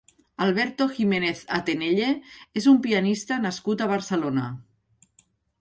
Alberto Giménez Atenelle és un pianista nascut a Barcelona.